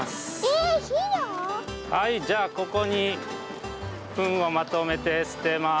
はいじゃあここにふんをまとめてすてます。